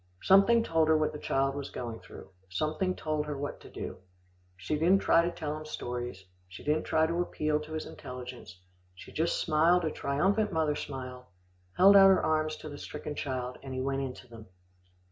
Something told her what the child was going through, something told her what to do. She didn't try to tell him stories, she didn't try to appeal to his intelligence, she just smiled a triumphant mother smile, held out her arms to the stricken child, and he went into them.